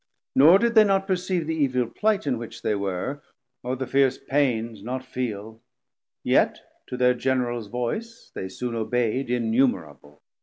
Nor did they not perceave the evil plight In which they were, or the fierce pains not feel; Yet to their Generals Voyce they soon obeyd Innumerable.